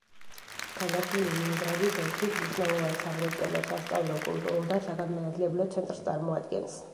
ქალაქი ლენინგრადის ოლქის მნიშვნელოვან სამრეწველო, სასწავლო, კულტურულ და საგანმანათლებლო ცენტრს წარმოადგენს.